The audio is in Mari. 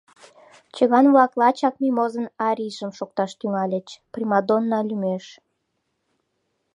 Чыган-влак лачак Мимозын арийжым шокташ тӱҥальыч - примадонна лӱмеш.